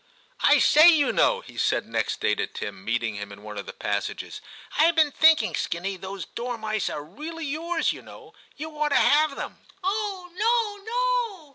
' I say, you know,' he said next day to Tim, meeting him in one of the passages, ' I've been thinking, Skinny, those dormice are really yours, you know ; you ought to have them.' I 114 ^^^ CHAP. V * Oh no, no